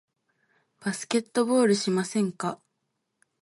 バスケットボールしませんか？